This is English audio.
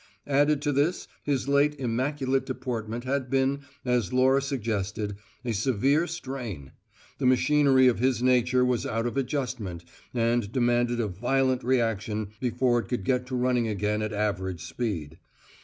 Added to this, his late immaculate deportment had been, as Laura suggested, a severe strain; the machinery of his nature was out of adjustment and demanded a violent reaction before it could get to running again at average speed.